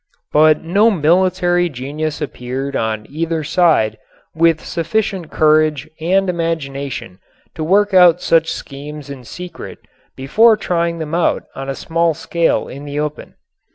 But no military genius appeared on either side with sufficient courage and imagination to work out such schemes in secret before trying them out on a small scale in the open.